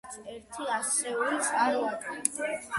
ესე იგი, არც ერთ ასეულს არ ვაკლებ.